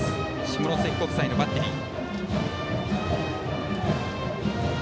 下関国際のバッテリー。